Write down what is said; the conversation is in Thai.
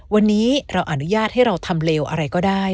วันนี้เราอนุญาตให้เราทำเลวอะไรก็ได้